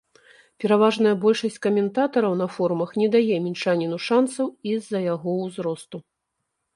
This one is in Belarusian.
Пераважная большасць каментатараў на форумах не дае мінчаніну шанцаў і з-за яго ўзросту.